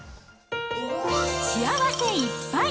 幸せいっぱい！